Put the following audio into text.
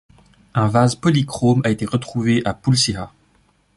Un vase polychrome a été retrouvé à Pulsihà.